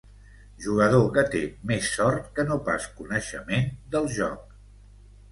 Jugador que té més sort que no pas coneixement del joc.